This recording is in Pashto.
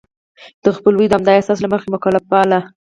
د خپلوی د همدغه احساس له مخې مکلف باله.